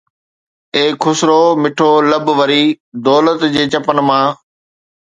اي خسرو مٺو لب وري دولت جي چپن مان